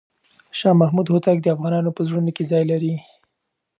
شاه محمود هوتک د افغانانو په زړونو کې ځای لري.